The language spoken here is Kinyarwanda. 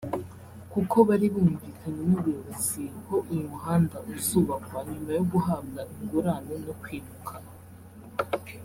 kuko bari bumvikanye n’ubuyobozi ko uyu muhanda uzubakwa nyuma yo guhabwa ingurane no kwimuka